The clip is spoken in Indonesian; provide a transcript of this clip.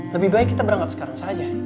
lebih baik kita berangkat sekarang saja